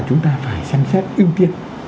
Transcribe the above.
chúng ta phải xem xét ưu tiên